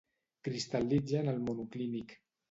Cristal·litza en el monoclínic.